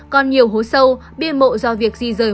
còn nhiều hố sâu bia mộ do việc di rời